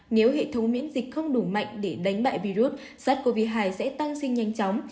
nếu hệ thống miễn dịch không đủ mạnh để đánh bại virus sars cov hai sẽ tăng sinh nhanh chóng